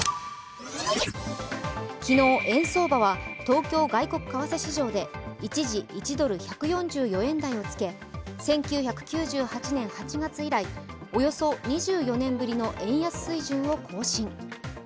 昨日円相場は東京外国為替市場で一時、１ドル＝１４４円台をつけ１９９８年８月以来、およそ２４年ぶりの円安水準を更新。